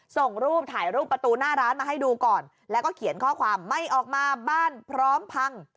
ส่งรูปถ่ายรูปประตูหน้าร้านมาให้ดูก่อนแล้วก็เขียนข้อความไม่ออกมาบ้านพร้อมพัง